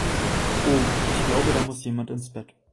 Oh, ich glaube da muss jemand ins Bett.